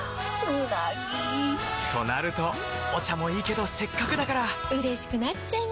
うなぎ！となるとお茶もいいけどせっかくだからうれしくなっちゃいますか！